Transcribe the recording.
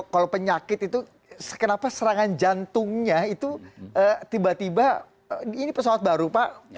kalau penyakit itu kenapa serangan jantungnya itu tiba tiba ini pesawat baru pak